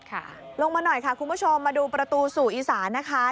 ลงมาหน่อยค่ะคุณผู้ชมมาดูประตูสู่อีสานนะคะ